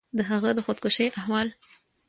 د هغه د خودکشي احوال